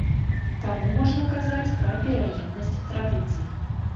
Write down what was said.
Таму можна казаць пра пераемнасць традыцый.